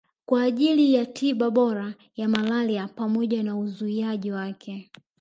kwa ajili ya tiba bora ya malaria pamoja na uzuiaji wake